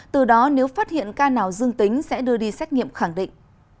từ đó nếu phát hiện ca nào dương tính sẽ đưa đi xét nghiệm khẳng định